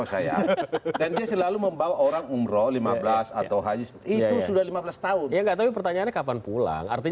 kadang kadang ini masalah hukum